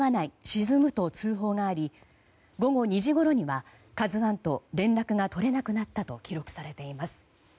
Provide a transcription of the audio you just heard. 沈むと通報があり午後２時ごろには「ＫＡＺＵ１」と連絡が取れなくなったと記録されています。